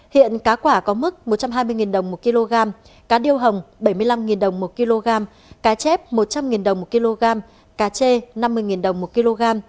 hiện cá quả có mức một trăm hai mươi đồng một kg cá điêu hồng bảy mươi năm đồng một kg cá chép một trăm linh đồng một kg cá chê năm mươi đồng một kg